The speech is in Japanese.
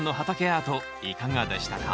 アートいかがでしたか？